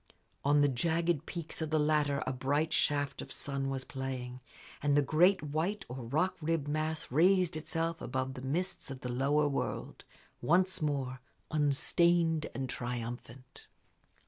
On the jagged peaks of the latter a bright shaft of sun was playing, and the great white or rock ribbed mass raised itself above the mists of the lower world, once more unstained and triumphant.